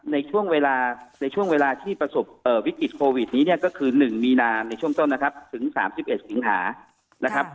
ในช่วงเวลาที่ประสบวิกฤตโควิดนี้ก็คือหนึ่งมีนาช่วงต้นถึง๓๑ศิงหา